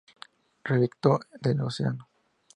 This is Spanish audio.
Relicto del Eoceno.